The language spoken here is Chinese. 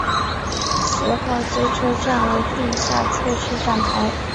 四号街车站为地下侧式站台。